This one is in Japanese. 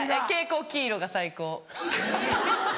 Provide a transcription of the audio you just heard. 蛍光黄色が最高。